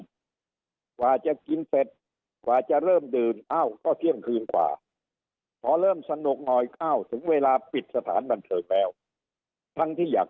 กว่าจะกินเป็ดกว่าจะเริ่มดื่นเอ้าก็เที่ยงคืนกว่า